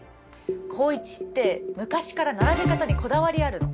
紘一って昔から並べ方にこだわりあるの。